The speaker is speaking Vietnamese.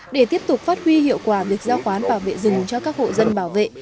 để tiếp tục phát huy hiệu quả việc giao khoán bảo vệ rừng cho các hộ dân bảo vệ